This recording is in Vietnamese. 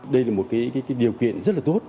đây là một điều kiện rất là tốt